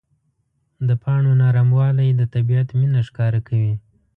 د پاڼو نرموالی د طبیعت مینه ښکاره کوي.